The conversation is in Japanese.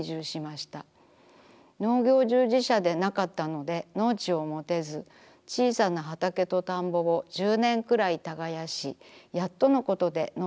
農業従事者でなかったので農地をもてずちいさな畑と田んぼを１０年くらい耕しやっとのことで農地を手に入れました。